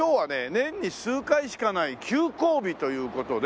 年に数回しかない休校日という事で。